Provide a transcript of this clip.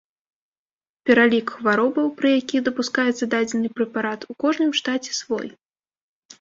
Пералік хваробаў, пры якіх дапускаецца дадзены прэпарат, у кожным штаце свой.